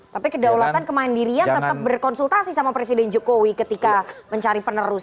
tapi kedaulatan kemandirian tetap berkonsultasi sama presiden jokowi ketika mencari penerus